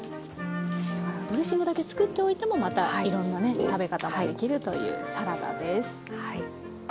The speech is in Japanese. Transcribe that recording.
ドレッシングだけ作っておいてもまたいろんなね食べ方もできるというサラダです。